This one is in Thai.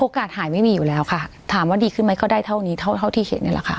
หายไม่มีอยู่แล้วค่ะถามว่าดีขึ้นไหมก็ได้เท่านี้เท่าเท่าที่เห็นนี่แหละค่ะ